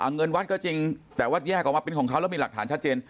เงินวัดก็จริงแต่ว่าแยกออกมาเป็นของเขาแล้วมีหลักฐานชัดเจน